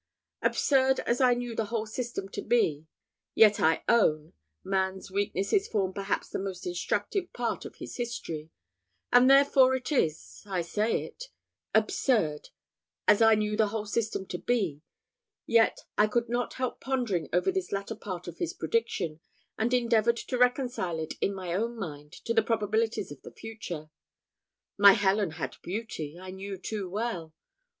Absurd as I knew the whole system to be, yet I own man's weaknesses form perhaps the most instructive part of his history, and therefore it is, I say it absurd, as I knew the whole system to be, yet I could not help pondering over this latter part of the prediction, and endeavoured to reconcile it in my own mind with the probabilities of the future. My Helen had beauty, I knew too well.